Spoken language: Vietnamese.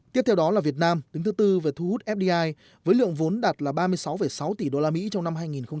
tiếp theo là việt nam đứng thứ bốn về thu hút fdi với lượng vốn đạt ba mươi sáu sáu tỷ usd trong năm hai nghìn một mươi bảy